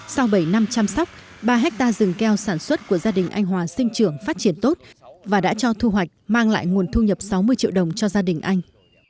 sau bảy năm chăm sóc ba hectare rừng keo sản xuất của gia đình anh hòa sinh trưởng phát triển tốt và đã cho thu hoạch mang lại nguồn thu nhập sáu mươi triệu đồng cho gia đình anh